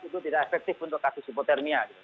itu tidak efektif untuk kasus hipotermia